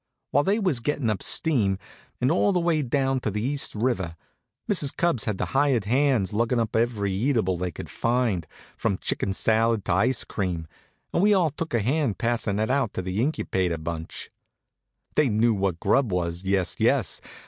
While they was gettin' up steam, and all the way down to the East river, Mrs. Cubbs had the hired hands luggin' up everything eatable they could find, from chicken salad to ice cream, and we all took a hand passin' it out to that Incubator bunch. They knew what grub was, yes, yes!